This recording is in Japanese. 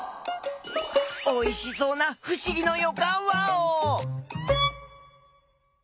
おいしそうなふしぎのよかんワオ！